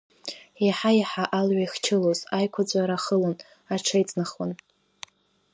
Иаҳа-иаҳа алҩа ихчылоз аиқәаҵәара ахылон, аҽеиҵнахуан.